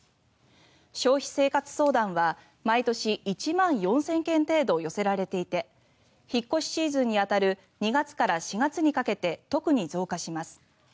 消費生活相談は毎年、１万４０００件程度寄せられていて引っ越しシーズンに当たる２月から４月にかけて特に増加します。